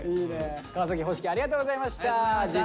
川星輝ありがとうございました。